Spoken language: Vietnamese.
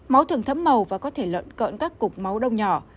máu thường thấm màu và có thể lợn cợn các cục máu đông nhỏ